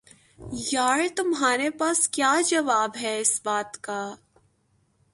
یار تمہارے پاس کیا جواب ہے اس بات کا